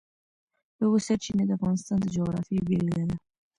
د اوبو سرچینې د افغانستان د جغرافیې بېلګه ده.